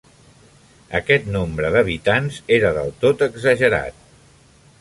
Aquest nombre d'habitants era del tot exagerat.